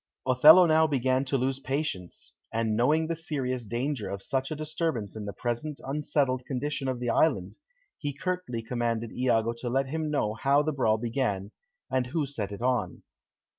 Othello now began to lose patience, and knowing the serious danger of such a disturbance in the present unsettled condition of the island, he curtly commanded Iago to let him know how the brawl began, and who set it on.